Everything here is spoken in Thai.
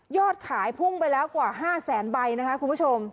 ขายพุ่งไปแล้วกว่า๕แสนใบนะคะคุณผู้ชม